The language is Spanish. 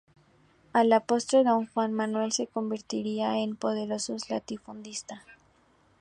A la postre Don Juan Manuel se convertiría en poderoso latifundista.